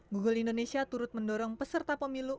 google indonesia turut mendorong peserta pemilu